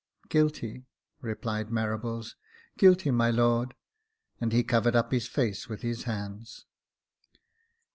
"Guilty," replied Marables — "guilty, my lordj" and he covered up his face with his hands.